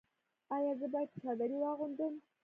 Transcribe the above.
ایا زه باید چادري واغوندم؟